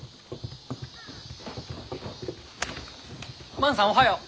万さんおはよう。